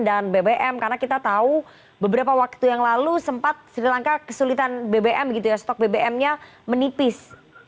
dan bbm karena kita tahu beberapa waktu yang lalu sempat sri lanka kesulitan bbm stok bbm nya menipis